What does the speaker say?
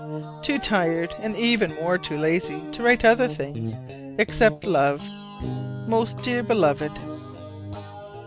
Too tired, and even more too lazy, to write other things, except love, most dear Beloved.